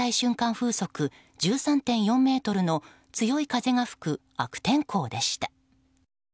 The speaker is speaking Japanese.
風速１３．４メートルの強い風が吹く悪天候でした。